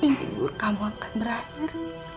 mimpi buruk kamu akan berakhir